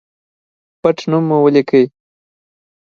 پټنوم مو ولیکئ